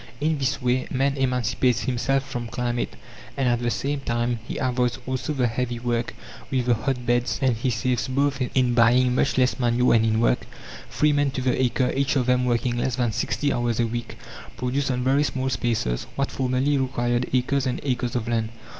In this way man emancipates himself from climate, and at the same time he avoids also the heavy work with the hot beds, and he saves both in buying much less manure and in work. Three men to the acre, each of them working less than sixty hours a week, produce on very small spaces what formerly required acres and acres of land.